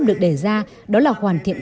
được đề ra đó là hoàn thiện